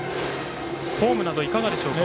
フォームなどいかがでしょうか。